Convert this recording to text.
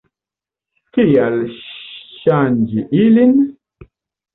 Kial ŝanĝi ilin?